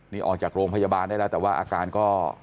นี่ออกจากโรงพยาบาลได้แล้วแต่ว่าอาการก็